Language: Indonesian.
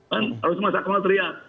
kan harus mas sakmal teriak